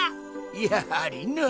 やはりな。